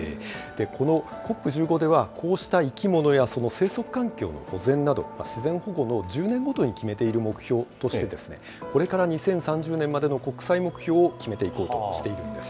このＣＯＰ１５では、こうした生き物や生息環境の保全など、自然保護を１０年ごとに決めている目標として、これから２０３０年までの国際目標を決めていこうとしているんです。